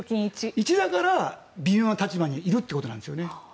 １だから、微妙な立場にいるということなんですね。